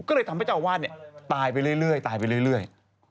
ก็เลยทำให้เจ้าอาวาสตายไปเรื่อยตายไปเรื่อย